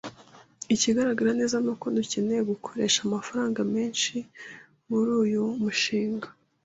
Ikigaragara neza ni uko dukeneye gukoresha amafaranga menshi muri uyu mushinga.